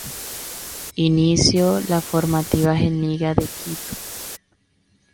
Inicio las formativas en Liga de Quito.